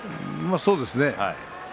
そうですね。